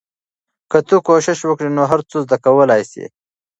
که ته کوشش وکړې نو هر څه زده کولای سې.